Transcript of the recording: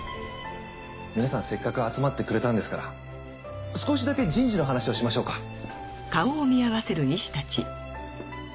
皆さんせっかく集まってくれたんですから少しだけ人事の話をしましょうか。